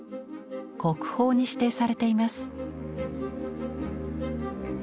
国宝に指定されています。